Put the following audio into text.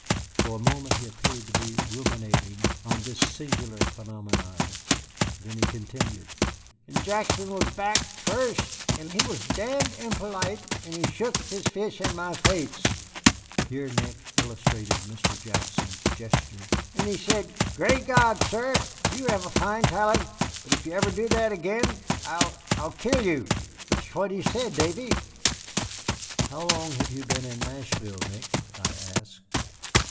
For a moment he appeared to be ruminating on this singular phenomenon. Then he continued: "'N'Jackson was back firsht, 'n'he was damned impolite... 'n'he shook his fist in my face" (here Nick illustrated Mr. Jackson's gesture), "'n'he said, 'Great God, sir, y'have a fine talent, but if y'ever do that again, I'll I'll kill you.' That'sh what he said, Davy." "How long have you been in Nashville, Nick?" I asked.